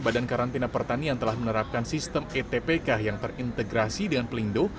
badan karantina pertanian telah menerapkan sistem etpk yang terintegrasi dengan pelindo